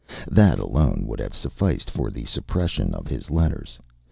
That alone would have sufficed for the suppression of his letters.